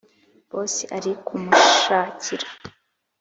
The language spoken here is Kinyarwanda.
boss ari kumushakira.